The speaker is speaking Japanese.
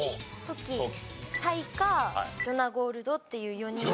彩香ジョナゴールドっていう４人で。